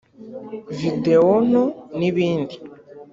video nto n’ibindi